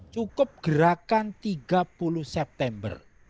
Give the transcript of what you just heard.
cukup gerakan tiga puluh september